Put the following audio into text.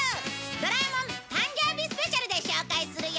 『ドラえもん誕生日スペシャル』で紹介するよ！